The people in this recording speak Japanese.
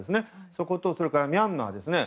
そこと、それからミャンマーですね